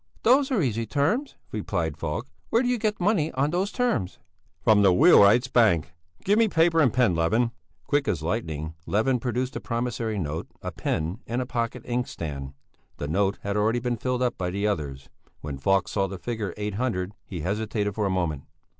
"Those are easy terms," replied Falk. "Where do you get money on those terms?" "From the Wheelwrights' Bank. Give me paper and a pen, Levin!" Quick as lightning Levin produced a promissory note, a pen, and a pocket inkstand. The note had already been filled up by the others. When Falk saw the figure eight hundred he hesitated for a moment.